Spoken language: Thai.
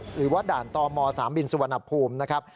หรือว่าด่านตม๓บินสุวรรณภูมินะครับ